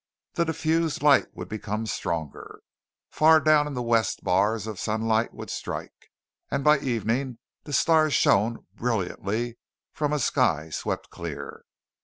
The diffused light would become stronger. Far down in the west bars of sunlight would strike. And by evening the stars shone brilliantly from a sky swept clear.